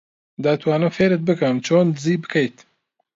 دەتوانم فێرت بکەم چۆن دزی بکەیت.